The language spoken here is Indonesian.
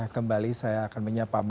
kembali saya akan menyapa